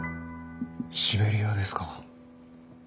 シベリアですか。